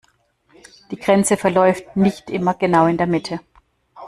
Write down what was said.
Die Grenze verläuft nicht immer genau in der Mitte.